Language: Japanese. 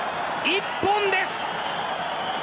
一本です。